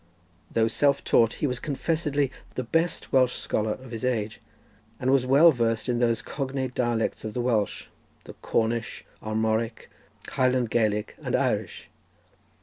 Though self taught, he was confessedly the best Welsh scholar of his age, and was well versed in those cognate dialects of the Welsh—the Cornish, Armoric, Highland Gaelic and Irish.